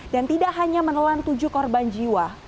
dan tidak hanya menelan tujuh korban jiwa